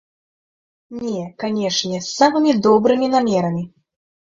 Не, канечне, з самымі добрымі намерамі.